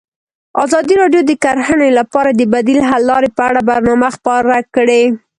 ازادي راډیو د کرهنه لپاره د بدیل حل لارې په اړه برنامه خپاره کړې.